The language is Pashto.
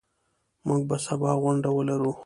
موږ به سبا غونډه ولرو.